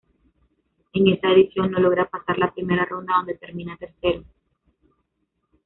En esa edición no logra pasar la primera ronda donde termina tercero.